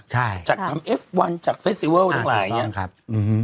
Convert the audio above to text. ใช่จากทำเอฟวันจากเฟสติเวิลทั้งหลายอย่างเงี้ครับอืม